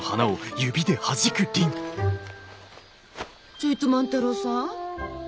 ちょいと万太郎さん？